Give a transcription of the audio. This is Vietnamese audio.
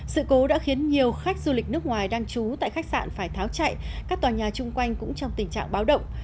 sự cố đã khiến nhiều khách du lịch nước ngoài đang trú tại khách sạn phải tháo chạy các tòa nhà chung quanh cũng trong tình trạng báo động